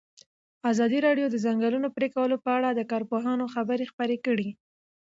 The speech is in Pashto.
ازادي راډیو د د ځنګلونو پرېکول په اړه د کارپوهانو خبرې خپرې کړي.